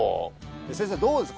先生どうです？